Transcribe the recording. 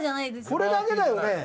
これだけだよね？